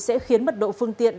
sẽ khiến mất độ phương tiện